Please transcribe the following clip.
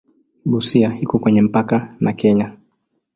Busia iko kwenye mpaka na Kenya.